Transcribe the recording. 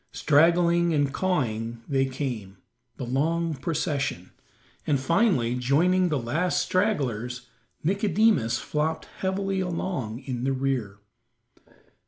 Straggling and cawing they came, the long procession, and finally joining the last stragglers, Nicodemus flopped heavily along in the rear.